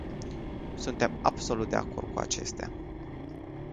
Suntem absolut de acord cu acestea.